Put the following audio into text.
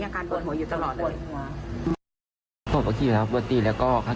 ก็มันมีกระบะคันหนึ่งแล้วก็มอเตอร์ไซคันหนึ่ง